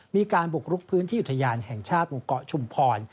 มีการบุกรุกพื้นที่อุทยานแห่งชาติหมู่เกาะชุมพร